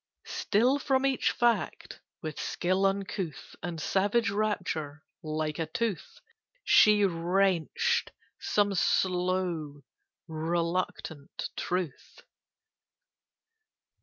Still from each fact, with skill uncouth And savage rapture, like a tooth She wrenched some slow reluctant truth.